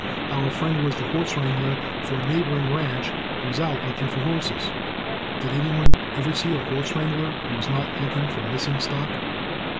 Our friend was the horse wrangler for a neighboring ranch, and was out looking for horses. Did any one ever see a horse wrangler who was not looking for missing stock?